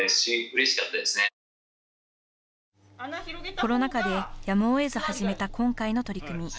コロナ禍で、やむをえず始めた今回の取り組み。